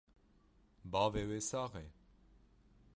Bavê wê sax e?